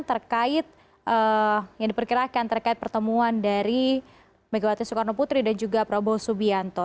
terkait yang diperkirakan terkait pertemuan dari megawati soekarno putri dan juga prabowo subianto